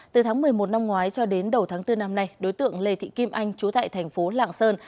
từ tháng một mươi một năm ngoái cho đến đầu tháng bốn năm nay đối tượng lê thị kim anh trú tại thành phố lạng sơn